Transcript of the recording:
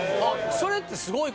それってすごい事よね。